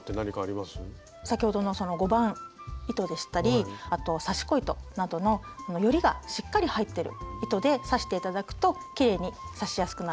先ほどの５番糸でしたりあと刺し子糸などのよりがしっかり入ってる糸で刺して頂くときれいに刺しやすくなると思います。